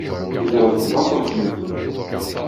Tegreḍ-d lbaṭel ɣef medden.